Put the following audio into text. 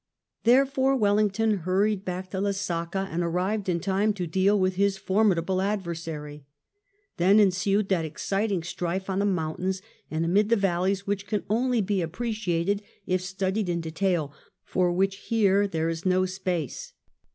Therefore Wellington hurried back to Lesaca^ and arrived in time to deal with his formidable adversary. Then ensued that exciting strife on the mountains and amid the valleys which can only be appreciated if studied in detail, for which here there is no space.